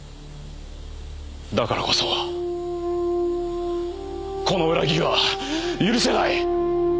だからこそこの裏切りは許せない！